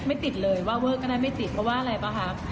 ไม่ติดเลยว่าเวอร์ก็ได้ไม่ติดเพราะว่าอะไรป่ะคะ